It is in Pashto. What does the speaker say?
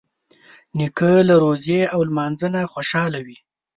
نیکه له روژې او لمانځه نه خوشحاله وي.